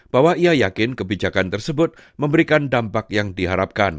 bahwa ia yakin kebijakan tersebut memberikan dampak yang diharapkan